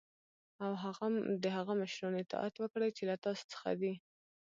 او د هغه مشرانو اطاعت وکړی چی له تاسی څخه دی .